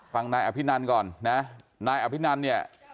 ฟังนายอภินันก่อนนะนายอภินันเนี่ย